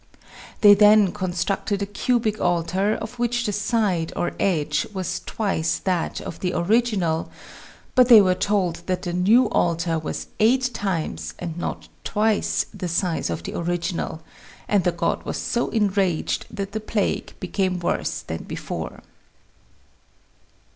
They then constructed a cubic altar of which the side or edge was twice that of the original, but they were told that the new altar was eight times and not twice the size of the original, and the god was so enraged that the plague became worse than before.